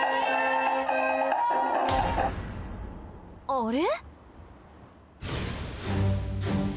あれ？